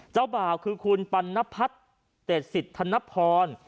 เจ้าบ่าวคือคุณปัณพัฒน์เต็ดสิทธนพร